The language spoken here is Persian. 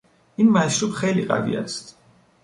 این مشروب خیلی قوی است.